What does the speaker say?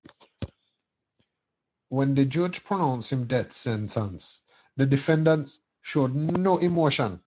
When the judge pronounced the death sentence, the defendant showed no emotion.